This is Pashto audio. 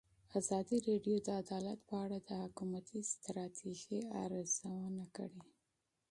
ازادي راډیو د عدالت په اړه د حکومتي ستراتیژۍ ارزونه کړې.